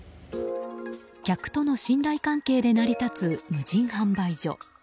客との信頼関係で成り立つ無人販売所。